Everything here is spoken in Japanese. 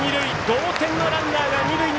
同点のランナーが二塁。